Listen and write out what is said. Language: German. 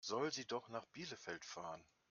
Soll sie doch nach Bielefeld fahren?